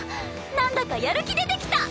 なんだかやる気出てきた！